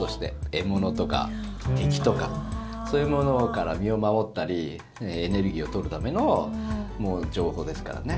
獲物とか敵とかそういうものから身を守ったりエネルギーを取るための情報ですからね。